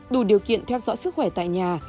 đủ điều kiện theo dõi sức khỏe tại nhà